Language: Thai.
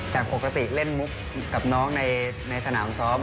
แต่ปกติเล่นมุกกับนางฟุตบอลในสนามซ้อม